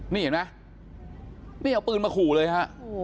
นี่เห็นมั้ยมิกมิทิ่ยิงไปเอาปืนมาขู่เลยอ่ะ